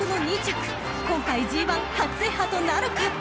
今回ＧⅠ初制覇となるか］